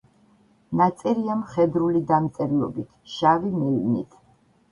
ნაწერია მხედრული დამწერლობით, შავი მელნით.